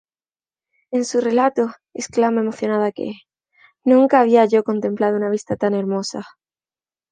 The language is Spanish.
En su relato exclama emocionada que "nunca había yo contemplado una vista tan hermosa".